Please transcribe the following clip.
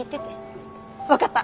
分かった。